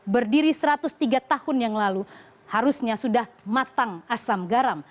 berdiri satu ratus tiga tahun yang lalu harusnya sudah matang asam garam